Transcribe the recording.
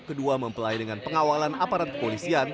kedua mempelai dengan pengawalan aparat kepolisian